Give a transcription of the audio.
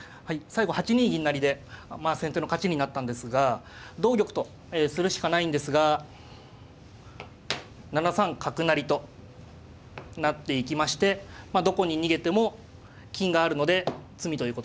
最後８二銀成で先手の勝ちになったんですが同玉とするしかないんですが７三角成と成っていきましてどこに逃げても金があるので詰みということですね。